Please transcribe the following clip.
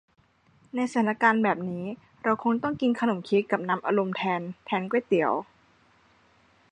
ในสถานการณ์แบบนี้ เราคงต้องกินขนมเค้กกับน้ำอัดลมแทนแทนก๋วยเตี๋ยว